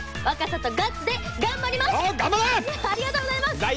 ありがとうございます！